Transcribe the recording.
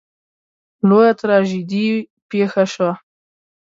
لویه تراژیدي پېښه شوه.